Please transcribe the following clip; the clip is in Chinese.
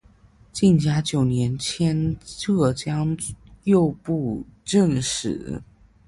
嘉靖九年迁浙江右布政使。